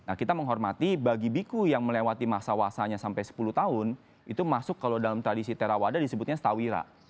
nah kita menghormati bagi biku yang melewati masa wasanya sampai sepuluh tahun itu masuk kalau dalam tradisi terawadah disebutnya stawira